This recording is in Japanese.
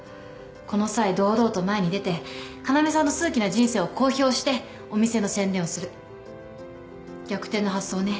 この際堂々と前に出て要さんの数奇な人生を公表してお店の宣伝をする逆転の発想をね。